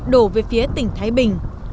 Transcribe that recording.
đổ về phía tỉnh thái bình